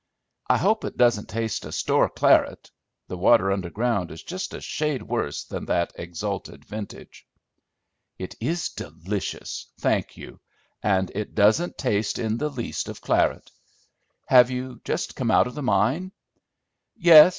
"I hope it doesn't taste of 'store claret;' the water underground is just a shade worse than that exalted vintage." "It is delicious, thank you, and it doesn't taste in the least of claret. Have you just come out of the mine?" "Yes.